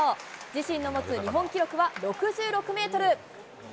自身の持つ日本記録は６６メートル。